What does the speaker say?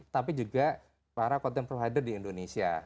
tapi juga para content provider di indonesia